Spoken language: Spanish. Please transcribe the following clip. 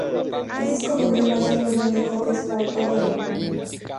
El disco vendió más de un millón de copias por todo el mundo.